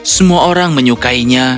semua orang menyukainya